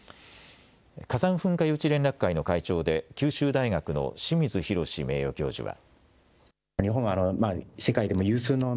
火山噴火予知連絡会の会長で九州大学の清水洋名誉教授は。